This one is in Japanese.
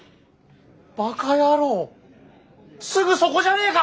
ばか野郎すぐそこじゃねえか！